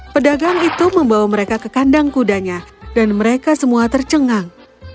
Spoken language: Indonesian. pedagang itu membawa mereka ke kandang kudanya dan mereka semua tercengang